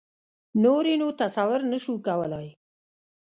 نور یې نو تصور نه شو کولای.